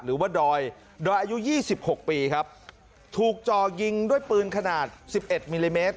หรือว่าดอยดอยอายุ๒๖ปีครับถูกจ่อยิงด้วยปืนขนาดสิบเอ็ดมิลลิเมตร